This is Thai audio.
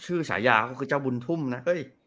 ชื่อสายาคือเจ้าบุญทุ่มนะเฮ้ย